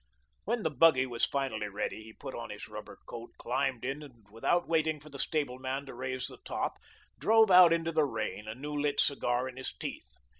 When the buggy was finally ready, he put on his rubber coat, climbed in, and without waiting for the stableman to raise the top, drove out into the rain, a new lit cigar in his teeth.